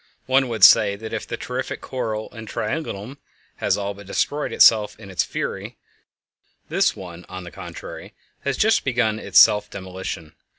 One would say that if the terrific coil in Triangulum has all but destroyed itself in its fury, this one on the contrary has just begun its self demolition.